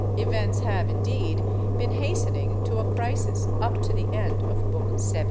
Events have, indeed, been hastening to a crisis up to the end of Book XVII.